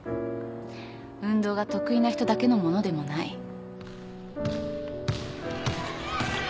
運動が得意な人だけのものでもない。